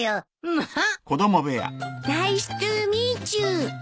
まあ！